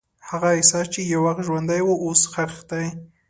هغه احساس چې یو وخت ژوندی و، اوس ښخ دی.